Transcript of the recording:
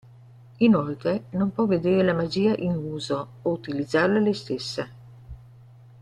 Inoltre, non può vedere la magia in uso, o utilizzarla lei stessa.